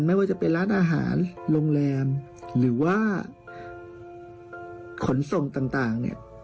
ไม่ว่าจะเป็นร้านอาหารโรงแรมหรือว่าขนส่งต่างเนี่ย